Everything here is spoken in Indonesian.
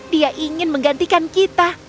dia ingin menggantikan kita